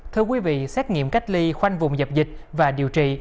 thưa quý vị xét nghiệm cách ly khoanh vùng dập dịch và điều trị